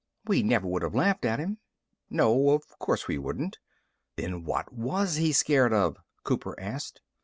We never would have laughed at him." "No. Of course we wouldn't." "Then what was he scared of?" Cooper asked.